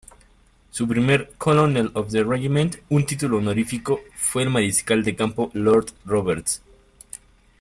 Su primer Colonel-of-the-Regiment, un título honorífico, fue el mariscal de campo lord Roberts.